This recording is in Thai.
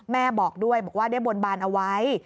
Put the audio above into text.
แม่บอกด้วยบอกว่าได้บนบานเอาไว้